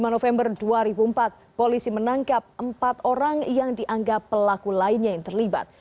dua puluh november dua ribu empat polisi menangkap empat orang yang dianggap pelaku lainnya yang terlibat